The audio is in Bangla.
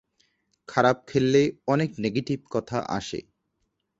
খারাপ খেললে অনেক নেগেটিভ কথা আসে।